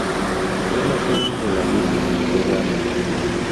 Es la sede de la Diócesis de Gallup.